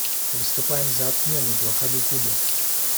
Выступаем за отмену блокады Кубы.